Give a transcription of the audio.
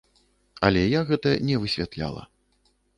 Але я гэта не высвятляла.